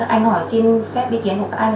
anh hỏi xin phép biệt kiến của các anh